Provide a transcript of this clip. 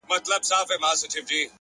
پرمختګ له دوامداره تمرکز تغذیه کېږي!